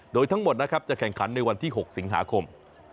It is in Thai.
โดยทั้งหมดนะครับจะแข่งขันในวันที่๖สิงหาคม